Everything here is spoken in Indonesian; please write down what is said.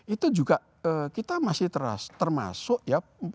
itu juga kita masih termasuk ya